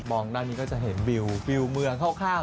มองด้านนี้ก็จะเห็นวิวเวลาวิวเมืองคร่าว